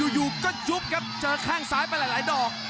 อยู่ก็ยุบครับเจอแข้งซ้ายไปหลายดอก